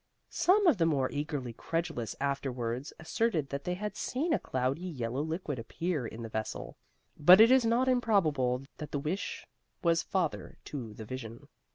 Some of the more eagerly credulous afterwards asserted that they had seen a cloudy yellow liquid appear in the vessel, but it is not improbable that the wish was father to the vision.